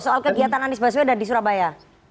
soal kegiatan anies baswedan di surabaya